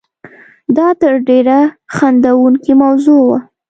دا تر ډېره خندوونکې موضوع وه.